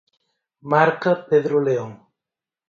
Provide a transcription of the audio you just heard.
Marca Pedro León.